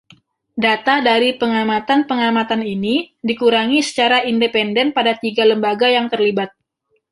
Data dari pengamatan-pengamatan ini dikurangi secara independen pada tiga lembaga yang terlibat.